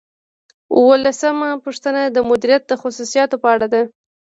اوولسمه پوښتنه د مدیریت د خصوصیاتو په اړه ده.